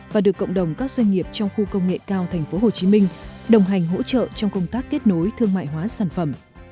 và được cộng đồng các doanh nghiệp trong khu công nghệ cao tp hcm đồng hành hỗ trợ trong công tác kết nối thương mại hóa sản phẩm